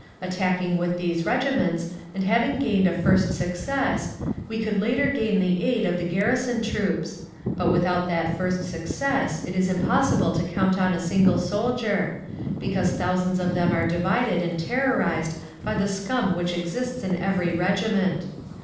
_ Attacking with these regiments, and having gained a first success, we could later gain the aid of the garrison troops; but without that first success it is impossible to count on a single soldier, because thousands of them are divided and terrorised by the scum which exists in every regiment.